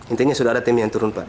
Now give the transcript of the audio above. intinya sudah ada tim yang turun pak